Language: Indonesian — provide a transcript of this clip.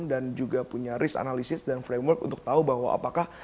dan juga punya risk analysis dan framework untuk tahu bahwa apakah